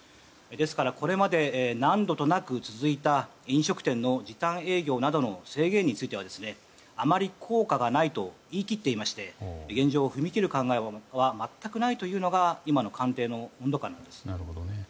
ですからこれまで何度となく続いた飲食店の時短営業などの制限についてはあまり効果がないと言い切っていまして現状、踏み切る考えは全くないというのが今の官邸の温度感なんです。